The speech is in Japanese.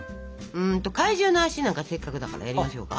怪獣の足なんかせっかくだからやりましょうか？